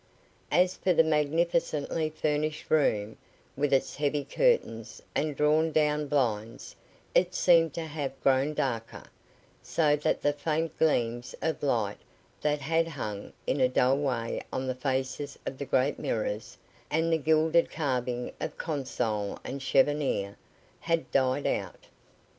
As for the magnificently furnished room, with its heavy curtains and drawn down blinds, it seemed to have grown darker, so that the faint gleams of light that had hung in a dull way on the faces of the great mirrors and the gilded carving of console and cheffonier, had died out.